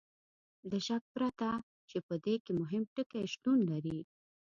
له شک پرته چې په دې کې مهم ټکي شتون لري.